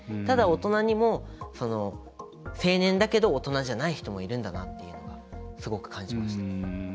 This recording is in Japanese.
ただ、大人にも成年だけど大人じゃない人もいるんだなっていうのがすごく感じました。